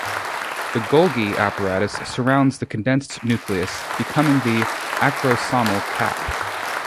The Golgi apparatus surrounds the condensed nucleus, becoming the acrosomal cap.